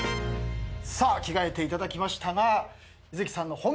さあ着替えていただきましたが。